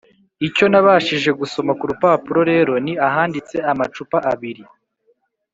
icyo nabashije gusoma ku rupapuro rero ni ahanditse amacupa abiri